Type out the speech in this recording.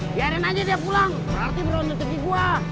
biarin aja dia pulang berarti baru ngetik gua